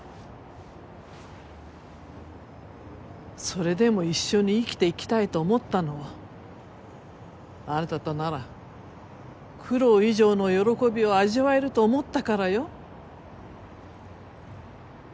それでも一緒に生きていきたいと思ったのはあなたとなら苦労以上の喜びを味わえると思ったからよ。